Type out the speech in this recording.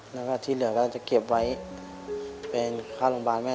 แล้วก็ที่เหลือก็จะเก็บไว้เป็นค่าโรงพยาบาลแม่